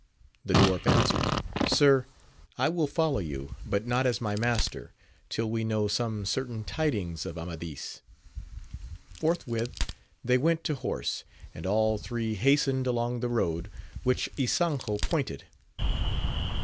The dwarf answered, Sir, I will follow you, but not as my master, till we know some certain tidings of Amadis. Forthwith they went to horse, and all three hastened along the road which Ysanjo pointed.